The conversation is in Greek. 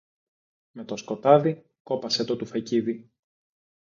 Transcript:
Με το σκοτάδι, κόπασε το τουφεκίδι